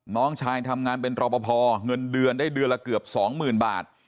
น้องชายทำงานเป็นรอปภเงินเดือนได้เดือนละเกือบ๒๐๐๐บาท